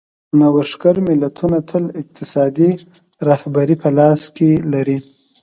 نوښتګر ملتونه تل اقتصادي رهبري په لاس کې لري.